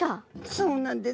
そうなんです。